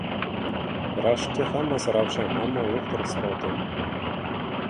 Rashkka hammasi ravshan — ammo yo‘qdir isboti!